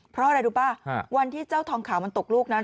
เพราะอะไรรู้ป่ะวันที่เจ้าทองขาวมันตกลูกนั้น